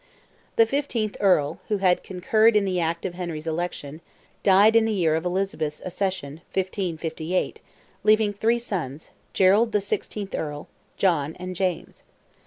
The fifteenth Earl, who had concurred in the act of Henry's election, died in the year of Elizabeth's accession (1558), leaving three sons, Gerald the sixteenth Earl, John, and James.